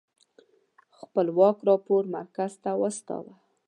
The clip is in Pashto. خپلواک راپور مرکز ته واستوه.